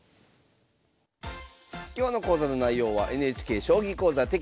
今日の講座の内容はＮＨＫ「将棋講座」テキスト